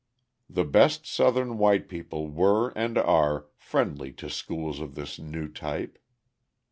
The best Southern white people were and are friendly to schools of this new type.